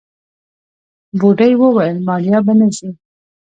بوډۍ وويل ماريا به نه ځي.